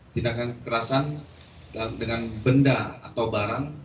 tindakan kekerasan dengan benda atau barang